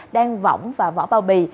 đang vỏng và vỏ bao bì